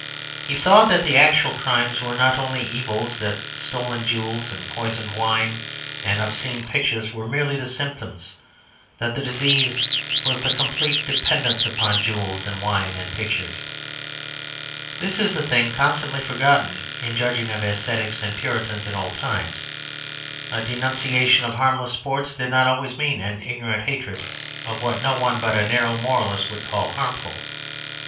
He saw, that the actual crimes were not the only evils: that stolen jewels and poisoned wine and obscene pictures were merely the symptoms; that the disease was the complete dependence upon jewels and wine and pictures. This is a thing constantly forgotten in judging of ascetics and Puritans in old times. A denunciation of harmless sports did not always mean an ignorant hatred of what no one but a narrow moralist would call harmful.